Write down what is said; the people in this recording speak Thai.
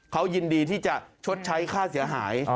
เขายินดีที่จะชดใช้ค่าเสียหาย